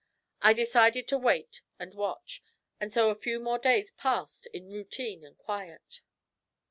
I decided to wait and watch, and so a few more days passed in routine and quiet.